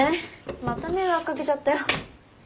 また迷惑掛けちゃったよ。